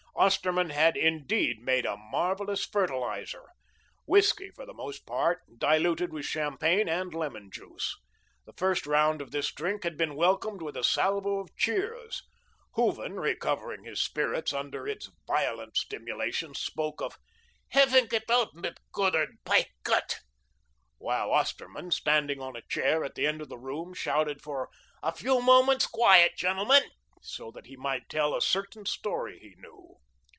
Osterman had, indeed, made a marvellous "fertiliser," whiskey for the most part, diluted with champagne and lemon juice. The first round of this drink had been welcomed with a salvo of cheers. Hooven, recovering his spirits under its violent stimulation, spoke of "heving ut oudt mit Cudder, bei Gott," while Osterman, standing on a chair at the end of the room, shouted for a "few moments quiet, gentlemen," so that he might tell a certain story he knew.